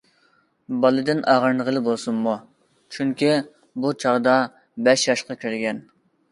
بالىدىن ئاغرىنغىلى بولسۇنمۇ؟ چۈنكى، بۇ چاغدا بەش ياشقا كىرگەن.